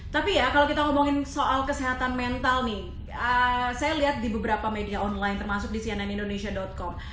tapi ya kalau kita ngomongin soal kesehatan mental nih saya lihat di beberapa media online termasuk di cnnindonesia com